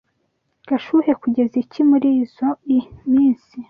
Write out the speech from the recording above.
Gashuhe kugeza iki murizoi minsi?